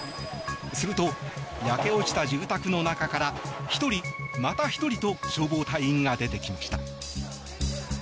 すると、焼け落ちた住宅の中から１人、また１人と消防隊員が出てきました。